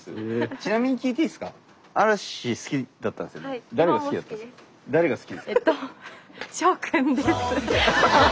ちなみに聞いていいですか？